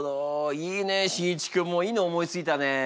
いいねしんいち君もいいの思いついたね。